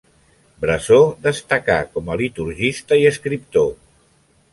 Brasó destacà com a liturgista i escriptor.